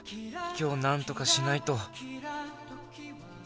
今日何とかしないと。